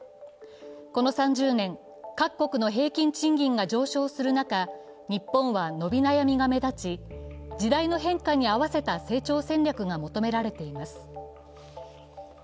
この３０年、各国の平均賃金が上昇する中、日本は伸び悩みが目立ち時代の変化に合わせた成長戦略が求められています。